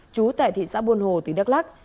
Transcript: chú tại thị xã buôn hồ tỉnh đắk lắc